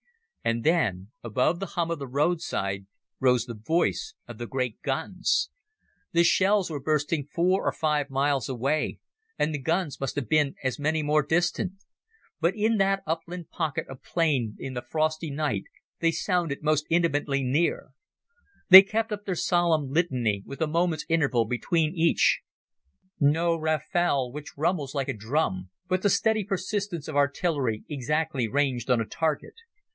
And then, above the hum of the roadside, rose the voice of the great guns. The shells were bursting four or five miles away, and the guns must have been as many more distant. But in that upland pocket of plain in the frosty night they sounded most intimately near. They kept up their solemn litany, with a minute's interval between each—no rafale which rumbles like a drum, but the steady persistence of artillery exactly ranged on a target.